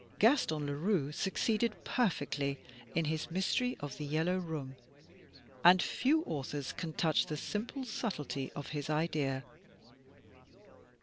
Gaston Leroux succeeded perfectly, in his " Mystery of the Yellow Room," and few authors can touch the simple subtlety of his idea.